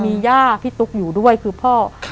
มีย่าพี่ตุ๊กอยู่ด้วยคือพ่อ